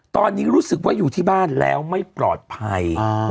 ตอนนี้รู้สึกว่าอยู่ที่บ้านแล้วไม่ปลอดภัย